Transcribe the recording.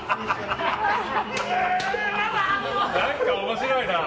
何か面白いな。